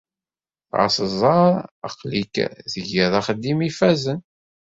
Ɣas ẓer aql-ik tgid axeddim ifazen.